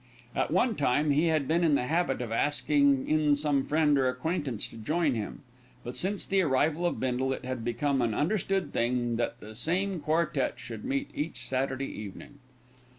At one time he had been in the habit of asking in some friend or acquaintance to join him; but, since the arrival of Bindle, it had become an understood thing that the same quartette should meet each Saturday evening.